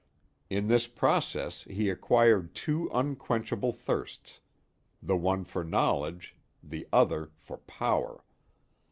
In this process he acquired two unquenchable thirsts the one for knowledge, the other for power.